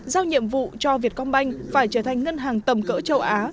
giao nhiệm vụ cho vietcombank phải trở thành ngân hàng tầm cỡ châu á